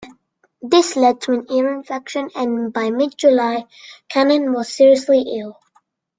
This led to an ear infection, and by mid-July Cannon was seriously ill.